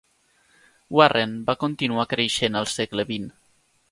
Warren va continuar creixent al segle XX.